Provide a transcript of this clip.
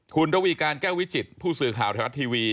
คุณระวีการแก้ววิจิตผู้สื่อข่าวไทยรัฐทีวี